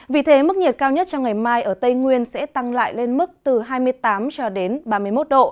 vì thế mức nhiệt cao nhất trong ngày mai ở tây nguyên sẽ tăng lại lên mức từ hai mươi tám ba mươi một độ